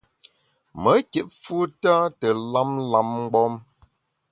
Me kit fu tâ te lam lam mgbom.